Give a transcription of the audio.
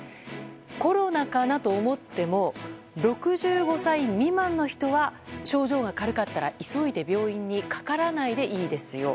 コロナかなと思っても６５歳未満の人は症状が軽かったら急いで病院にかからないでいいですよ。